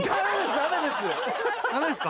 ダメですか？